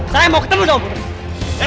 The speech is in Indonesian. saya mau ketemu dong